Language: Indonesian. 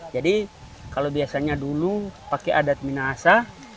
jadi kalau biasanya dulu pakai adat minahasa